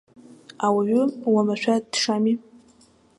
Ауаҩы уамашәа дшами!